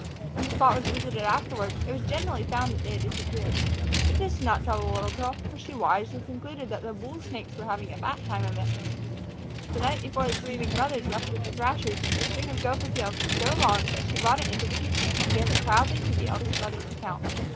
When the spot was visited afterward, it was generally found that they had disappeared. But this did not trouble the little girl, for she wisely concluded that the bull snakes were having a fat time of it. The night before the three big brothers left with the thrashers, the string of gopher tails was so long that she brought it into the kitchen and gave it proudly to the eldest brother to count.